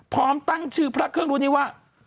พร้อมตั้งชื่อพระเครื่องรุ่นนี้ว่า